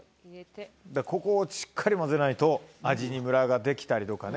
ここをしっかり混ぜないと味にムラが出来たりとかね。